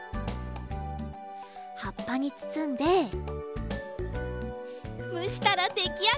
はっぱにつつんでむしたらできあがり！